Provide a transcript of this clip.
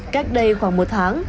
các nhà nhỏ của ông nguyễn nguyễn